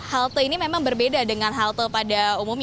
halte ini memang berbeda dengan halte pada umumnya